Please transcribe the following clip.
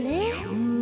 うん。